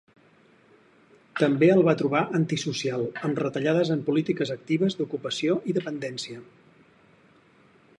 També el va trobar ‘antisocial’, amb retallades en polítiques actives d’ocupació i dependència.